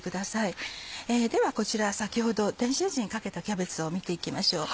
ではこちら先ほど電子レンジにかけたキャベツを見て行きましょう。